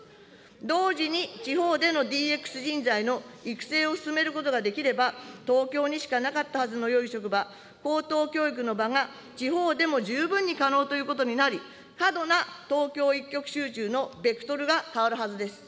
同時に地方でのＤＸ人材の育成を進めることができれば、東京にしかなかったはずのよい職場、高等教育の場が、地方でも十分に可能ということになり、過度な東京一極集中のベクトルが変わるはずです。